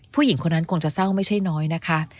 ผู้หญิงคนนั้นคงจะเศร้าไม่ใช่น้อยนะคะ